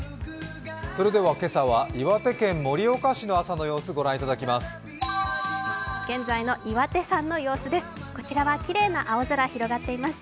それでは今朝は岩手県盛岡市の朝の様子、ご覧いただきます。